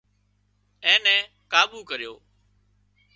اين نين ڪاٻو ڪريو